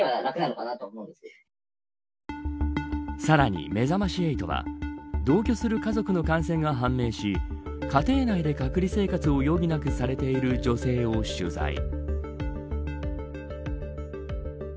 さらに、めざまし８は同居する家族の感染が判明し家庭内で隔離生活を余儀なくされている女性を取材。